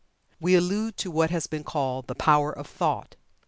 We allude to what has been called the "Power of Thought."